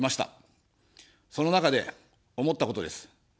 その中で思ったことです。